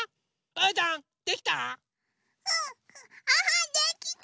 うーたんできた？